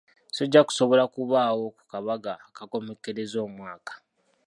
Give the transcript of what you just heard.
Sijja kusobola kubaawo ku kabaga akakomekkereza omwaka.